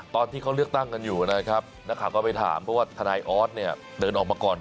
ตอนที่เขาเลือกตั้งกันอยู่นะครับนักข่าวก็ไปถามเพราะว่าทนายออสเนี่ยเดินออกมาก่อน